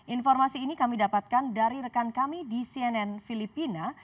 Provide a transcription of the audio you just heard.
informasi ini kami dapatkan dari rekan kami di cnn filipina